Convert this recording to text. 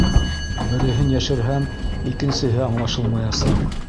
Береһен йәшерһәм, икенсеһе аңлашылмаясаҡ.